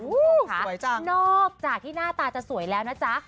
โอ้โหนอกจากที่หน้าตาจะสวยแล้วนะจ๊ะ